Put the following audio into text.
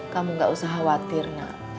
kamu gak usah khawatir nak